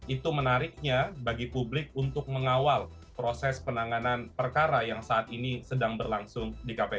itu menariknya bagi publik untuk mengawal proses penanganan perkara yang saat ini sedang berlangsung di kpk